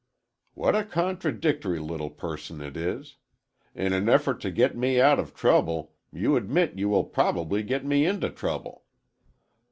"What a contradictory little person it is! In an effort to get me out of trouble, you admit you will probably get me into trouble.